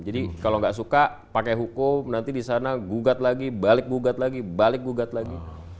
jadi kalau gak suka pakai hukum nanti disana gugat lagi balik gugat lagi balik gugat lagi